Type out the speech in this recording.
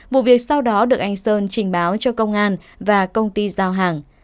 vụ việc sau đó được anh sơn trình báo cho công an và công ty giao hàng